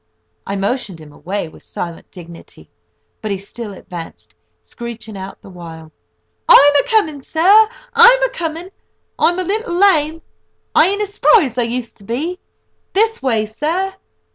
I motioned him away with silent dignity, but he still advanced, screeching out the while: "I'm a coming, sur, I'm a coming. I'm a little lame. I ain't as spry as I used to be. This way, sur."